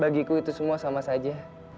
bagiku itu semua sama saja